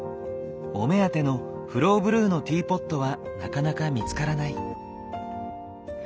お目当てのフローブルーのティーポットはなかなか見つからない。